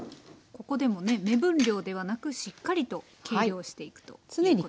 ここでもね目分量ではなくしっかりと計量していくということですね。